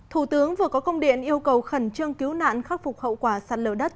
thủ tướng vừa có công điện yêu cầu khẩn trương cứu nạn khắc phục hậu quả sạt lở đất